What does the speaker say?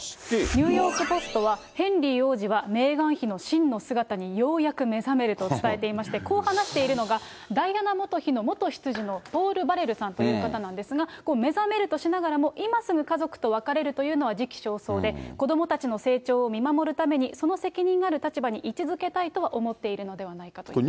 ニューヨーク・ポストは、ヘンリー王子はメーガン妃の真の姿にようやく目覚めると伝えていまして、こう話しているのが、ダイアナ元妃の元執事のポール・バレルさんという方なんですが、この目覚めるとしながらも、今すぐ家族と別れるというのは時期尚早で、子どもたちの成長を見守るためにその責任ある立場に居続けたいと思っているのではないかという話です。